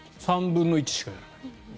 ３分の１しかやらない。